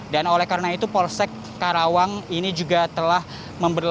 dan oleh karena itu polsek karawang ini juga telah memberikan